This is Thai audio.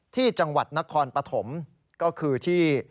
ที่จังหวัดนครปฐมก็คือที่